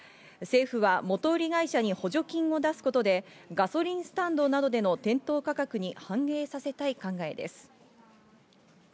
政府は元売り会社に補助金を出すことでガソリンスタンドなどでの店頭価格に反映させたい考えです。